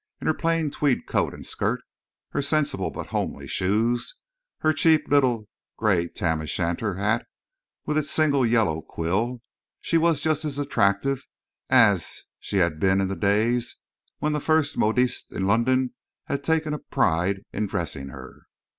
In her plain tweed coat and skirt, her sensible but homely shoes, her cheap little grey tam o' shanter hat, with its single yellow quill, she was just as attractive as she had been in the days when the first modiste in London had taken a pride in dressing her.